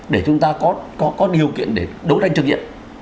để chúng ta có điều kiện để đấu tranh trực diện